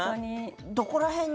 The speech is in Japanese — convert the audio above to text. どこら辺に？